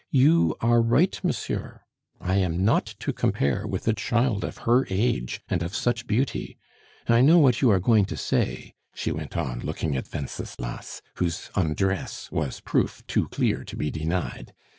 You are right, monsieur, I am not to compare with a child of her age and of such beauty! "I know what you are going to say," she went on, looking at Wenceslas, whose undress was proof too clear to be denied.